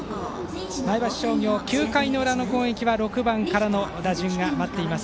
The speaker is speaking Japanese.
前橋商業は９回の裏の攻撃は６番からの打順が待っています。